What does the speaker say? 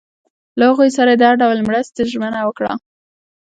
له هغوی سره یې د هر ډول مرستې ژمنه وکړه.